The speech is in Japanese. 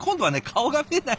顔が見えない。